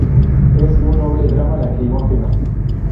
Es un noble drama lacrimógeno.